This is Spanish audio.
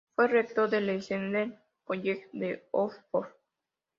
Fue rector del Exeter College de Oxford.